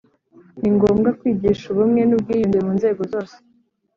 Ni ngombwa kwigisha ubumwe n’ubwiyunge mu nzego zosee